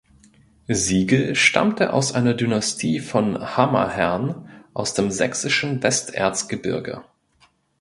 Siegel stammte aus einer Dynastie von Hammerherrn aus dem sächsischen Westerzgebirge.